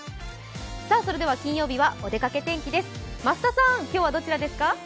それでは金曜日はお出かけ天気です。